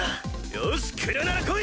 よし来るならこい！